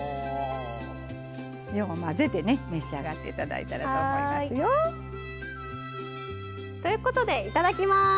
よう混ぜて召し上がって頂いたらと思いますよ。ということでいただきます。